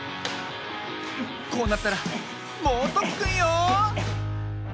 こうなったらもうとっくんよ！